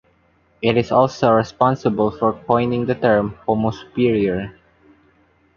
It is also responsible for coining the term "homo superior".